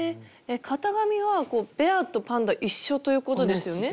型紙はベアとパンダ一緒ということですよね？